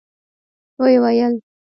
ويې ويل: